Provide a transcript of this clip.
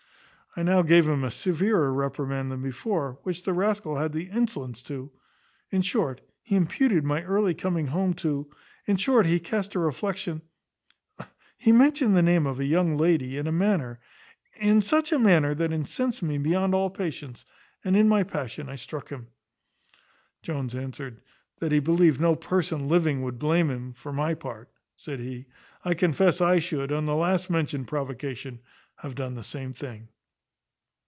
I now gave him a severer reprimand than before, when the rascal had the insolence to In short, he imputed my early coming home to In short, he cast a reflection He mentioned the name of a young lady, in a manner in such a manner that incensed me beyond all patience, and, in my passion, I struck him." Jones answered, "That he believed no person living would blame him; for my part," said he, "I confess I should, on the last mentioned provocation, have done the same thing."